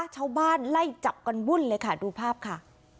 ชาวบ้านไล่จับกันวุ่นเลยค่ะดูภาพค่ะ